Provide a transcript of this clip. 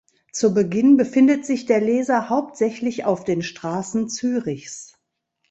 Zu Beginn befindet sich der Leser hauptsächlich auf den Strassen Zürichs.